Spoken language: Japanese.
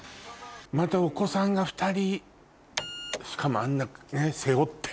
またお子さんが２人しかもあんな背負って。